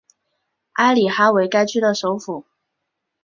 埃里哈为该区的首府。